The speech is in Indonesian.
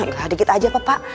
sedikit aja pak pak